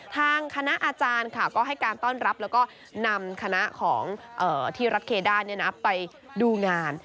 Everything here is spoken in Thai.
ทางคณะอาจารย์ก็ให้การต้อนรับแล้วก็นำคณะของที่รัฐเคด้าไปดูงาน